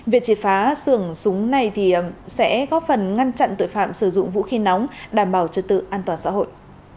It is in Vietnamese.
việc triệt phá sưởng súng này sẽ góp phần ngăn chặn tội phạm sử dụng vũ khí nóng đảm bảo trật tự an toàn xã hội